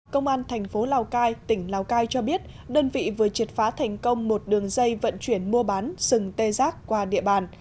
công an thành phố lào cai tỉnh lào cai cho biết đơn vị vừa triệt phá thành công một đường dây vận chuyển mua bán sừng tê giác qua địa bàn